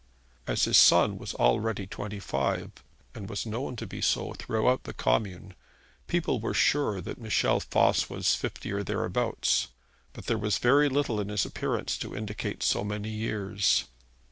As his son was already twenty five and was known to be so throughout the commune people were sure that Michel Voss was fifty or thereabouts; but there was very little in his appearance to indicate so many years.